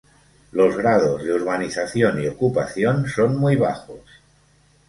Los grados de urbanización y ocupación son muy bajos.